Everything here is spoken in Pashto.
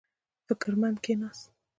فکر مند کېناست.